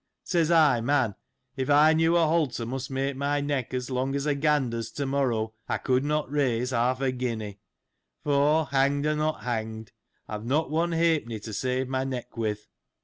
Says I, man, if I knew a halter must make my neck as long as a gander's to morrow, I could not raise half a guinea : for, hanged, or not hanged, I have not one half penny to save my neck with.